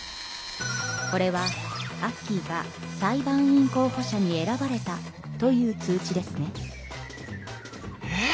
これはアッキーが裁判員候補者に選ばれたという通知ですね。え！？